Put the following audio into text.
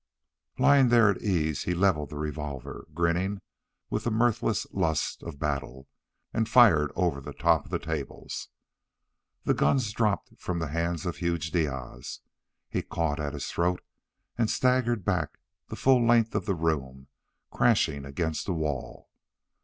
Lying there at ease, he leveled the revolver, grinning with the mirthless lust of battle, and fired over the top of the table. The guns dropped from the hands of huge Diaz. He caught at his throat and staggered back the full length of the room, crashing against the wall.